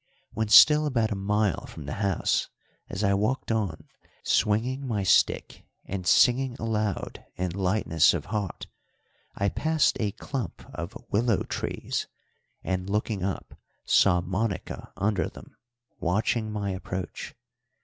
When still about a mile from the house as I walked on, swinging my stick and singing aloud in lightness of heart, I passed a clump of willow trees, and, looking up, saw Monica under them watching my approach.